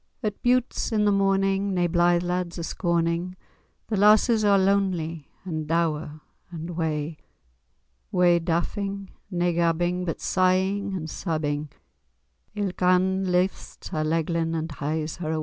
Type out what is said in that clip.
At bughts, in the morning, nae blythe lads are scorning;[#] The lasses are lonely, and dowie, and wae; Wae daffing,[#] nae gabbing,[#] but sighing and sabbing; Ilk ane lifts her leglin,[#] and hies her away.